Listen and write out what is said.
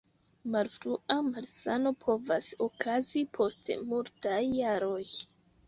Malfrua malsano povas okazi post multaj jaroj.